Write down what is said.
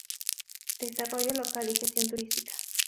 Desarrollo local y gestión turística.